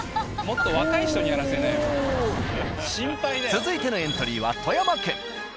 続いてのエントリーは富山県。